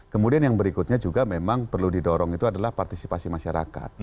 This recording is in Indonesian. kemudian yang berikutnya juga memang perlu didorong itu adalah partisipasi masyarakat